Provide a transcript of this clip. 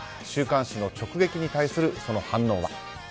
週刊誌の直撃に対するその反応は。